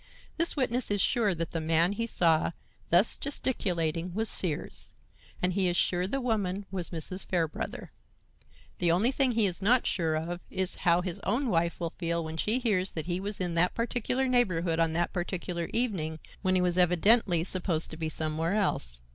This witness is sure that the man he saw thus gesticulating was Sears, and he is sure the woman was Mrs. Fairbrother. The only thing he is not sure of is how his own wife will feel when she hears that he was in that particular neighborhood on that particular evening, when he was evidently supposed to be somewhere else."